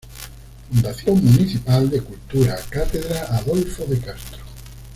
Fundación Municipal de Cultura, Cátedra "Adolfo de Castro".